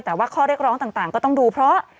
แต่ว่าข้อเรียกร้องต่างก็ต้องดูเพราะ